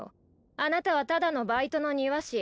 あなたはただのバイトの庭師。